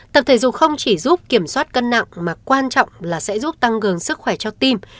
tập thể dù không chỉ giúp kiểm soát cân nặng mà quan trọng là sẽ giúp tăng cường sức khỏe cho tim